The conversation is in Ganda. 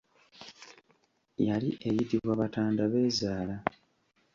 Yali eyitibwa Batandabeezaala.